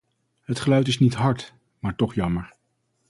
Het geluid is niet hard, maar toch jammer.